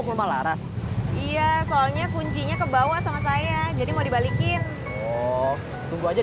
kurma laras iya soalnya kuncinya kebawa sama saya jadi mau dibalikin tunggu aja